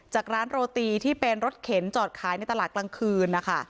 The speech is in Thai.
จากร้านโรตีที่เป็นรถเข็นจอดขายในตลาดกลางคืนนะคะ